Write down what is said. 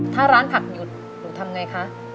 ถ้าร้านผักหยุดหนูทำไงคะ